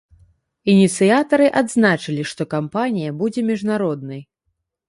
Ініцыятары адзначылі, што кампанія будзе міжнароднай.